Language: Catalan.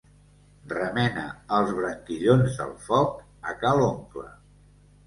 Remena els branquillons del foc a ca l'oncle.